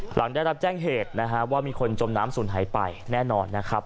หลังได้รับแจ้งเหตุนะฮะว่ามีคนจมน้ำศูนย์หายไปแน่นอนนะครับ